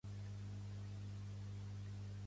Quan regressarà al seu lloc d'origen la Kautar?